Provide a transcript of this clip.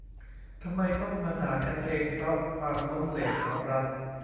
"ทำไมต้องมาด่ากันเองเพราะความล้มเหลวของรัฐ"